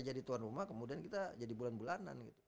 jadi tuan rumah kemudian kita jadi bulan bulanan